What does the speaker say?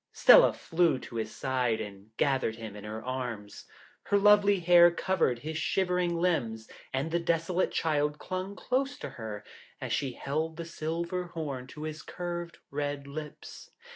Stella flew to his side, and gathered him in her arms. Her lovely hair covered his shivering limbs, and the desolate child clung close to her as she held the silver horn to his curved red lips.